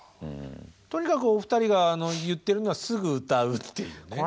とにかくお二人が言ってるのはすぐ歌うっていうね。